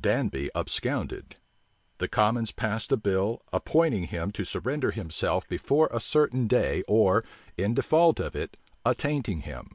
Danby absconded. The commons passed a bill, appointing him to surrender himself before a certain day, or, in default of it, attainting him.